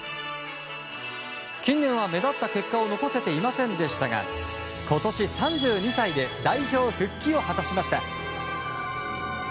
近年は目立った結果を残せていませんでしたが今年３２歳で代表復帰を果たしました。